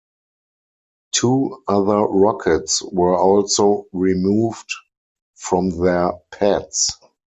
Two other rockets were also removed from their pads.